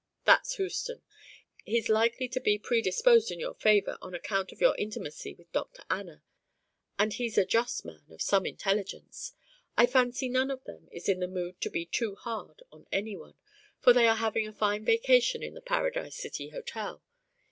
"That's Houston. He's likely to be predisposed in your favour on account of your intimacy with Dr. Anna. And he's a just man, of some intelligence. I fancy none of them is in the mood to be too hard on any one, for they are having a fine vacation in the Paradise City Hotel.